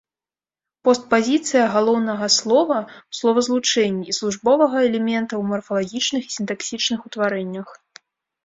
Постпазіцыя галоўнага слова ў словазлучэнні і службовага элемента ў марфалагічных і сінтаксічных утварэннях.